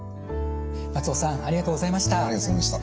松尾さんありがとうございました。